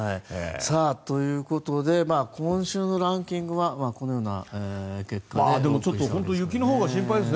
ということで今週のランキングはこのようになりました。